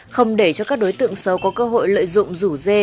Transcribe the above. không để cho các đối tượng xấu có cơ hội lợi dụng rủ dê